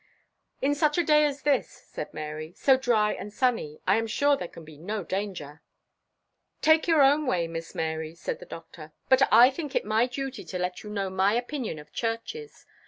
"In such a day as this," said Mary, "so dry and sunny, I am sure there can be no danger." "Take your own way, Miss Mary," said the Doctor; "but I think it my duty to let you know my opinion of churches.